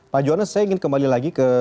pak jonas saya ingin kembali lagi ke